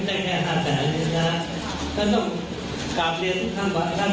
ทางครอบครัวแพรวาในช่วงใจเอาตามผลไหวให้ถูกต้อง